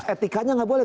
etikanya nggak boleh